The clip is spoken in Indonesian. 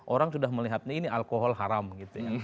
orang sudah melihatnya ini alkohol haram gitu ya